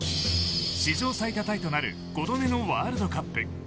史上最多タイとなる５度目のワールドカップ。